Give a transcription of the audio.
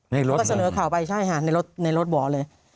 ในรถเหมือนกันนะครับใช่ค่ะในรถบ่อเลย